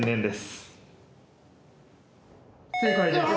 正解です。